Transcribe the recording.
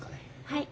はい。